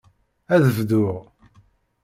Ad bduɣ.